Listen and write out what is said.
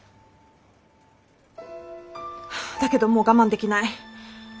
だけどもう我慢できない！